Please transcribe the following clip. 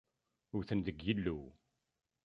Wten deg Yillu.